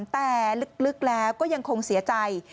แต่ลึกแล้วก็ยังคงเสียใจ